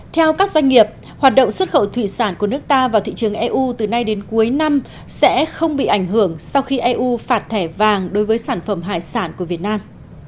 theo các doanh nghiệp hoạt động xuất khẩu thủy sản của nước ta vào thị trường eu từ nay đến cuối năm sẽ không bị ảnh hưởng sau khi eu phạt thẻ vàng đối với sản phẩm hải sản của việt nam